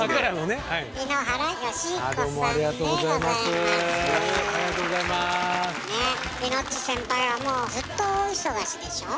ねっイノッチ先輩はもうずっと大忙しでしょ？